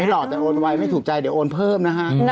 หล่อแต่โอนไวไม่ถูกใจเดี๋ยวโอนเพิ่มนะฮะ